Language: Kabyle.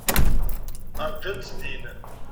Ṛjan-tt din.